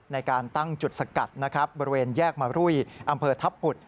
ในการตั้งจุดสกัดนะครับบริเวณแยกมารุยอำเภอทัพผุด